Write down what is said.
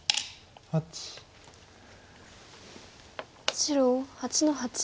白８の八。